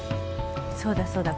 そうだそうだ。